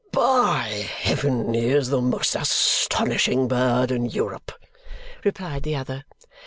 "By heaven, he is the most astonishing bird in Europe!" replied the other.